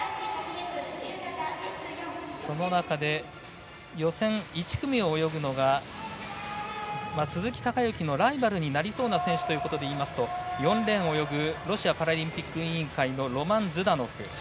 その中で予選１組を泳ぐのが鈴木孝幸のライバルになりそうな選手ということでいいますと４レーンを泳ぐロシアパラリンピック委員会のロマン・ズダノフ。